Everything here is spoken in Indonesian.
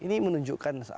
ini menunjukkan apa